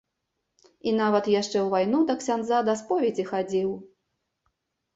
І нават яшчэ ў вайну да ксяндза да споведзі хадзіў.